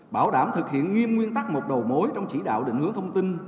bảo đảm thực hiện nghiêm nguyên tắc một đầu mối trong chỉ đạo định hướng thông tin